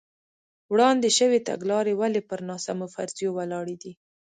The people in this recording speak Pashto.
وړاندې شوې تګلارې ولې پر ناسمو فرضیو ولاړې دي.